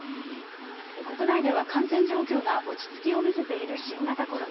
国内では感染状況が落ち着きを見せている新型コロナ。